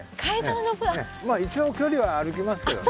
一応距離は歩きますけどね。